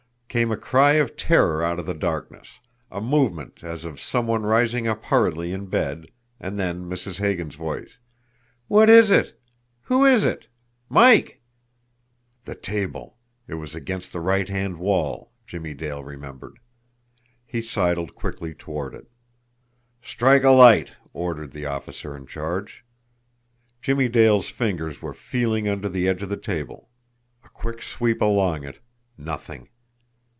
Came a cry of terror out of the darkness, a movement as of some one rising up hurriedly in bed; and then Mrs. Hagan's voice: "What is it! Who is it! Mike!" The table it was against the right hand wall, Jimmie Date remembered. He sidled quickly toward it. "Strike a light!" ordered the officer in charge. Jimmie Dale's fingers were feeling under the edge of the table a quick sweep along it NOTHING!